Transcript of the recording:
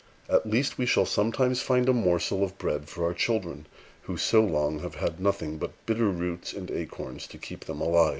At least, we shall sometimes find a morsel of bread for our children, who so long have had nothing but bitter roots and acorns to keep them alive."